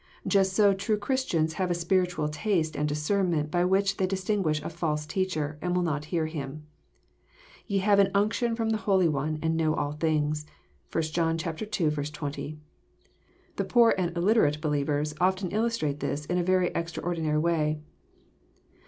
Just so true Christians have a spir itual taste and discernment by which they distinguish a false teacher, and will not hear him. <* Ye have an unction from the Holy One, and know all things." (1 John ii. 20.) The poor and illiterate believers often illustrate this in a very extraordi nary way.